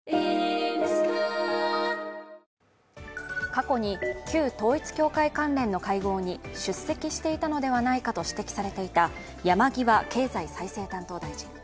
過去に旧統一教会関連の会合に出席していたのではないかと指摘されていた山際経済再生担当大臣。